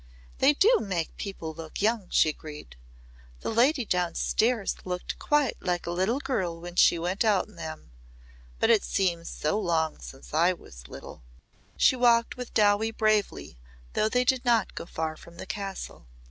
"They do make people look young," she agreed. "The Lady Downstairs looked quite like a little girl when she went out in them. But it seems so long since I was little." She walked with Dowie bravely though they did not go far from the Castle.